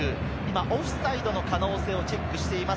オフサイドの可能性をチェックしています。